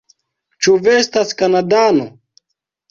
Ĉu vi estas Kanadano?